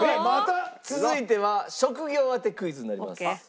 続いては職業当てクイズになります。